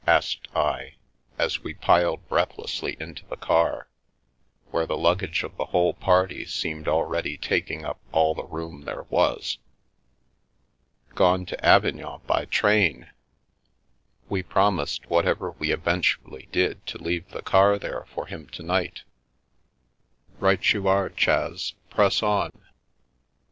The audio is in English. " asked I, as we piled breath lessly into the car, where the luggage of the whole party seemed already taking up all the room there was. " Gone to Avignon by train. We promised whatever we eventually did to leave the car there for him to night. Right you are, Chas, press on."